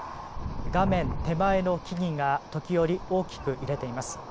画面手前の木々が時折、大きく揺れています。